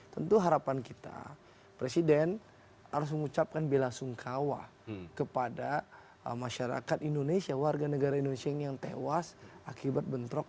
tentu harapan kita presiden harus mengucapkan bela sungkawa kepada masyarakat indonesia warga negara indonesia ini yang tewas akibat bentrok